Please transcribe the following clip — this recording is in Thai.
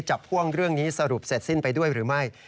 พ่วงเรื่องนี้สรุปเสร็จสิ้นไปด้วยหรือไม่